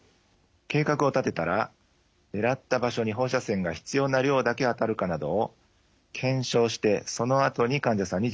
計画を立てたら狙った場所に放射線が必要な量だけ当たるかなどを検証してそのあとに患者さんに実施します。